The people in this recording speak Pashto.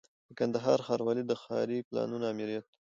د کندهار ښاروالۍ د ښاري پلانونو آمریت